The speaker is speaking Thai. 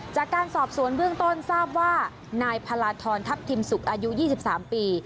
จากการสอบสวนเบื้องต้นทราบว่านายพลาทรทัพทิมสุกอายุ๒๓ปี